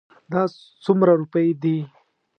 دا څومره روپی دي؟